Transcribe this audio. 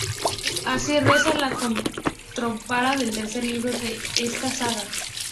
Así reza la contraportada del tercer libro de esta saga.